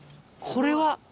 これは。